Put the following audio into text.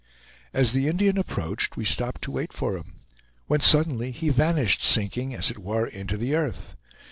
As the Indian approached we stopped to wait for him, when suddenly he vanished, sinking, as it were, into the earth.